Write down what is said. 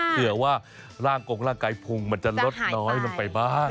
เผื่อว่าร่างกงร่างกายพุงมันจะลดน้อยลงไปบ้าง